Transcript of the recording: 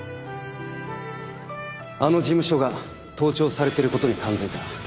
あの事務所が盗聴されてることに感づいた。